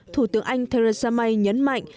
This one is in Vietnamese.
thủ tướng anh theresa may nhấn mạnh